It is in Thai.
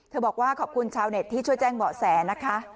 บอกว่าขอบคุณชาวเน็ตที่ช่วยแจ้งเบาะแสนะคะ